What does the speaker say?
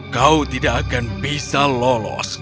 kau tidak akan bisa lolos